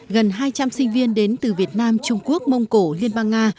gần hai trăm linh sinh viên đến từ việt nam trung quốc mông cổ liên bang nga